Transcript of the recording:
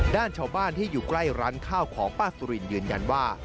ด้านชาวบ้านที่อยู่ใกล้ร้านข้าวของป้าสุรินยืนยันว่า